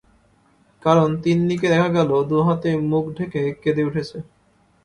কারণ তিন্নিকে দেখা গেল দু হাতে মুখ ঢেকে কেঁদে উঠেছে।